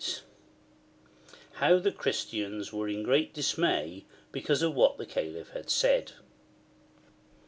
How THE Christians were in great dismay because of what THE Calif had said.